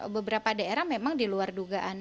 beberapa daerah memang diluar dugaan